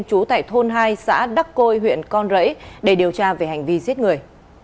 chú tại thôn hai xã đắc côi huyện con rẫy để điều tra về hành vi giết người